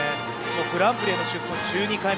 グランプリの進出も１２回目。